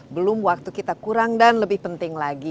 belum waktu kita kurang dan lebih penting lagi